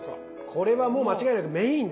これはもう間違いなくメインですね。